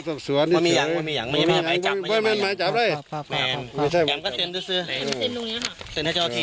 พอมีอย่างมีอย่างมีอย่างไม่มีไม่มีไม่มีไม่มีไม่มี